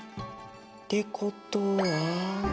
ってことは。